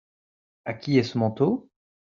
A qui est ce manteau ?